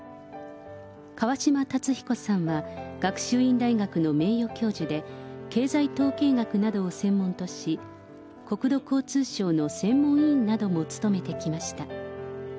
川嶋辰彦さんは学習院大学の名誉教授で、経済統計学などを専門とし、国土交通省の専門委員なども務めてきました。